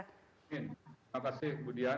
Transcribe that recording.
terima kasih bu dian